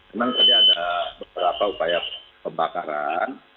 memang tadi ada beberapa upaya pembakaran